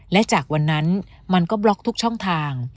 และจากวันนั้นมันก็บล็อกทุกช่องทาง